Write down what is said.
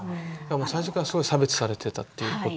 最初からすごい差別されてたっていうことですね。